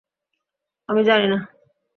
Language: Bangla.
আমি জানি না!